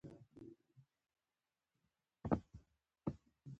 په دې غره کې د لرغونو آثارو موندنه شوې او تاریخپوهان څېړنه پرې کوي